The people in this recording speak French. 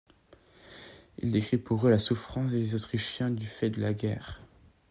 Il décrit pour eux la souffrance des Autrichiens du fait de la guerre.